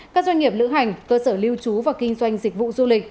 các doanh nghiệp lữ hành cơ sở lưu trú và kinh doanh dịch vụ du lịch